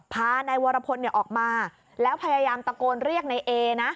พานายวรพลออกมาแล้วพยายามตะโกนเรียกในเอนะ